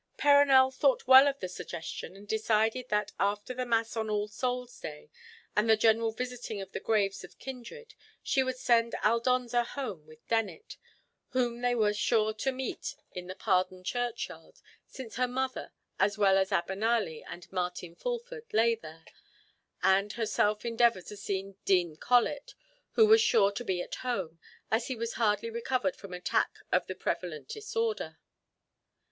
Perronel thought well of the suggestion, and decided that after the mass on All Soul's Day, and the general visiting of the graves of kindred, she would send Aldonza home with Dennet, whom they were sure to meet in the Pardon Churchyard, since her mother, as well as Abenali and Martin Fulford lay there; and herself endeavour to see Dean Colet, who was sure to be at home, as he was hardly recovered from an attack of the prevalent disorder.